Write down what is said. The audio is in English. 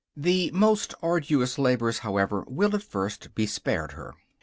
The most arduous labors, however, will at first be spared her.